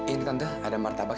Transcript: ini tante ada martabak